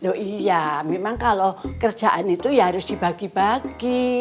loh iya memang kalau kerjaan itu ya harus dibagi bagi